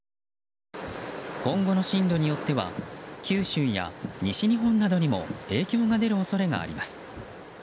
今後の進路によっては九州や西日本などにも影響が出る恐れがあります。